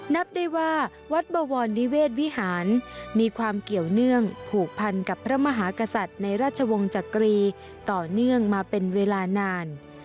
นับได้ว่าวัดบวรนิเวศวิหารมีความเกี่ยวเนื่องผูกพันกับพระมหากษัตริย์ในราชวงศ์จักรีต่อเนื่องมาเป็นเวลานาน